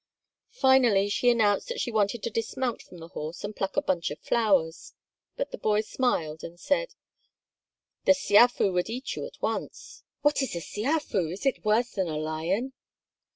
Finally she announced that she wanted to dismount from the horse and pluck a bunch of flowers. But the boy smiled and said: "The siafu would eat you at once." "What is a siafu? Is it worse than a lion?"